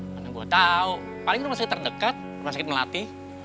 karena gue tahu paling rumah sakit terdekat rumah sakit melati